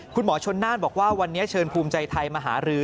คุณหมอชนน่านบอกว่าวันนี้เชิญภูมิใจไทยมาหารือ